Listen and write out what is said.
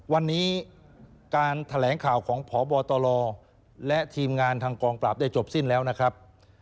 วันนี้การแถลงข่าวของพบตรและทีมงานทางกองปราบได้จบสิ้นแล้วนะครับ